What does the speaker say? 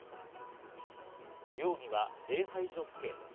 容疑は礼拝所不敬です。